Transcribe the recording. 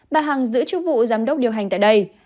bà hằng giữ chức vụ giám đốc điều hành tại đây